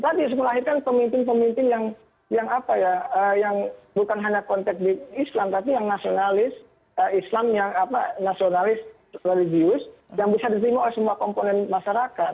tadi melahirkan pemimpin pemimpin yang bukan hanya konteks di islam tapi yang nasionalis islam yang nasionalis religius yang bisa diterima oleh semua komponen masyarakat